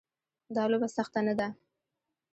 دا لوبه سخته نه ده.